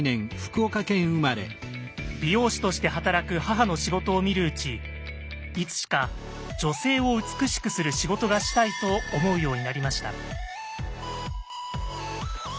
美容師として働く母の仕事を見るうちいつしか「女性を美しくする仕事がしたい」と思うようになりました。